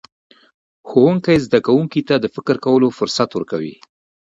ښوونکی زدهکوونکي ته د فکر کولو فرصت ورکوي.